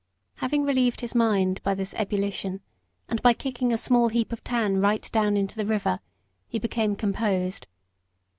Having relieved his mind by this ebullition, and by kicking a small heap of tan right down into the river, he became composed.